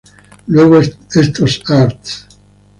Luego estos Arts.